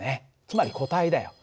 つまり固体だよ。